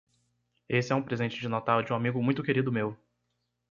Esse é um presente de Natal de um amigo muito querido meu.